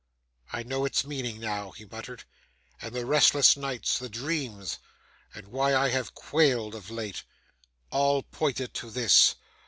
'I know its meaning now,' he muttered, 'and the restless nights, the dreams, and why I have quailed of late. All pointed to this.